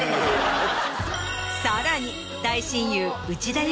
さらに。